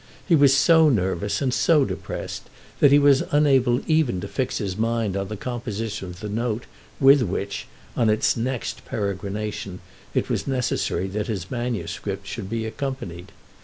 He was so nervous and so depressed that he was unable even to fix his mind on the composition of the note with which, on its next peregrination, it was necessary that his manuscript should be accompanied.